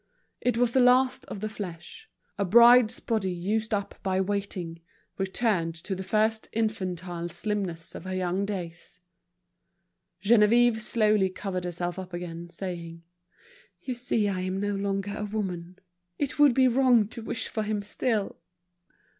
It was the last of the flesh, a bride's body used up by waiting, returned to the first infantile slimness of her young days. Geneviève slowly covered herself up again, saying: "You see I am no longer a woman. It would be wrong to wish for him still!"